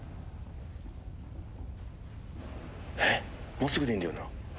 真っすぐでいいんだよな？